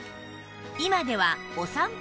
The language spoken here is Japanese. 今では